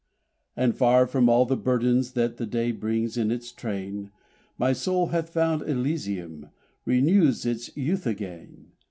And far from all the burdens that day brings in its train, My soul hath found Elysium renews its youth again!